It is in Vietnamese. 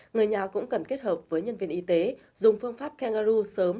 người nhà cũng cần kết hợp với nhân viên y tế dùng phương pháp canaru sớm